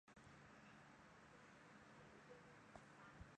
雅格狮丹是一家总部位于英国伦敦的奢侈品牌服装制造公司。